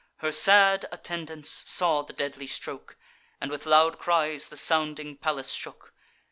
Her sad attendants saw the deadly stroke, And with loud cries the sounding palace shook.